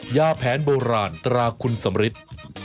ย่าแผนโบราณตราคุณสมฤทธิ์